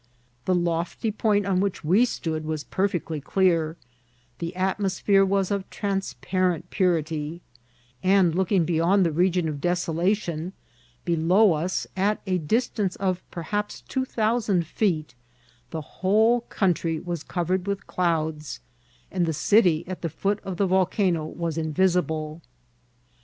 The lofty point on which we stood was perfectly clear, the atmo sphere was of transparent purity, and looking beyond the region of desolation, below us, at a distance of per haps two thousand feet, the whole country was covered with clouds, and the city at the foot of the volcano was invisible.